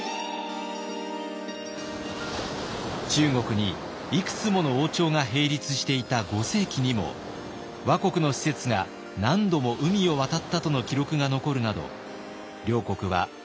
中国にいくつもの王朝が並立していた５世紀にも倭国の使節が何度も海を渡ったとの記録が残るなど両国は活発な交流を重ねてきました。